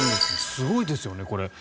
すごいですよね、これ。